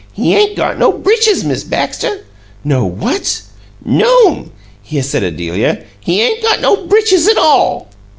He 'ain't got no britches, Miz Baxter." "No WHAT?" "No'm," said Adelia. "He 'ain't got no britches at all."